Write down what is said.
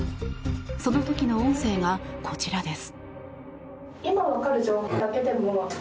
その時の音声がこちらです。